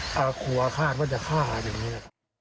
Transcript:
ครอบครัวคาดว่าจะฆ่าอย่างนี้